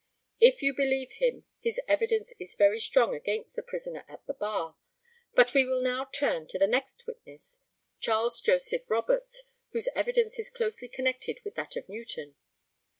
If you believe him his evidence is very strong against the prisoner at the bar; but we will now turn to the next witness, Charles Joseph Roberts, whose evidence is closely connected with that of Newton.